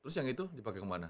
terus yang itu dipakai kemana